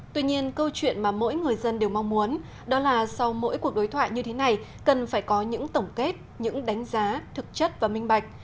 tuy nhiên câu chuyện mà mỗi người dân đều mong muốn đó là sau mỗi cuộc đối thoại như thế này cần phải có những tổng kết những đánh giá thực chất và minh bạch